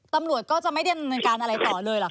ตำรวจก็จะไม่ได้ดำเนินการอะไรต่อเลยหรอก